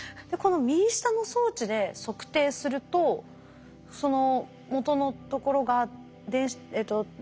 この右下の装置で測定するとそのもとのところがえっと